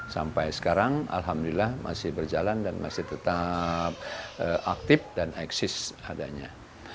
sampai sekarang alhamdulillah masih berjalan dan masih tetap aktif dan eksis adanya